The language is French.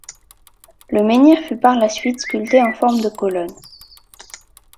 Le menhir fut par la suite sculpté en forme de colonne.